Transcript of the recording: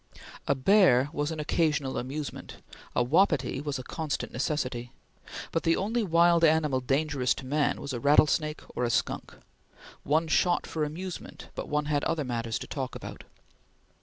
A bear was an occasional amusement; a wapiti was a constant necessity; but the only wild animal dangerous to man was a rattlesnake or a skunk. One shot for amusement, but one had other matters to talk about.